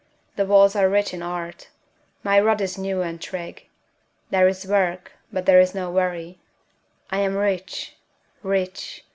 The walls are rich in art. My rod is new and trig. There is work, but there is no worry.... I am rich, rich!